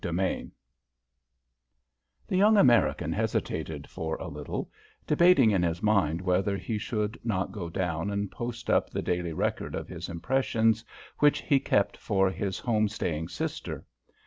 CHAPTER II The young American hesitated for a little, debating in his mind whether he should not go down and post up the daily record of his impressions which he kept for his home staying sister.